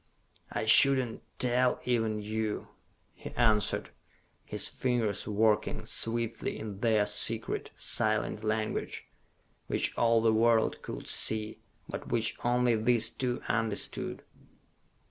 "I should not tell even you," he answered, his fingers working swiftly in their secret, silent language, which all the world could see, but which only these two understood.